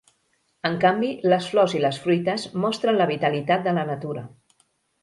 En canvi, les flors i les fruites mostren la vitalitat de la natura.